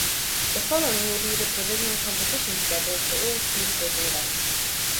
The following will be the provisional competition schedule for all speed skating events.